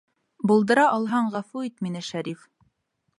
Булдыра алһаң, ғәфү ит мине, Шәриф.